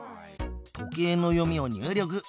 時計の読みを入力。